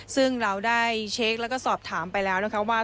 ซึ่งเราได้เช็คและสอบถามไปแล้วว่า